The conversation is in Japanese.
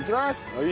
はい。